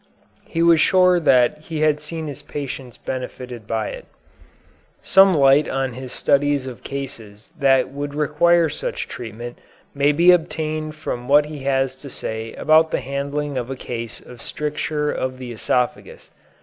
He was sure that he had seen his patients benefited by it. Some light on his studies of cases that would require such treatment may be obtained from what he has to say about the handling of a case of stricture of the esophagus.